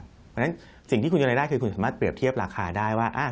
เพราะฉะนั้นสิ่งที่คุณกำลังได้คือคุณสามารถเปรียบเทียบราคาได้ว่า